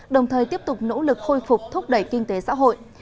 đồng thời tiếp tục nỗ lực khôi phục thúc đẩy kinh tế xã hội